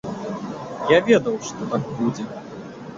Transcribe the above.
Я ведаў, што так будзе.